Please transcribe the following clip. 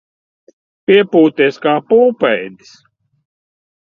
Piepūties kā pūpēdis.